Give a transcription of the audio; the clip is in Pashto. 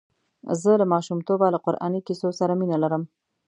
زه له ماشومتوبه له قراني کیسو سره مینه لرم.